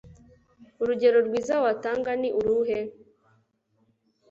Urugero rwiza watanga ni uruhe